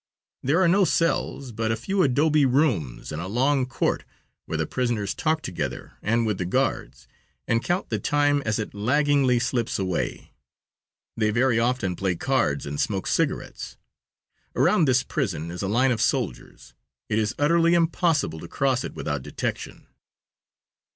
There are no cells, but a few adobe rooms and a long court, where the prisoners talk together and with the guards, and count the time as it laggingly slips away. They very often play cards and smoke cigarettes. Around this prison is a line of soldiers. It is utterly impossible to cross it without detection.